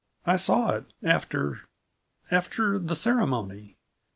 "I saw it, after after the ceremony.